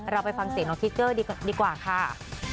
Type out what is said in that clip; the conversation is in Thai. เราไปฟังเสียงน้องทิเกอร์ดีกว่าค่ะ